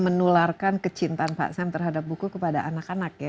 menularkan kecintaan pak sam terhadap buku kepada anak anak ya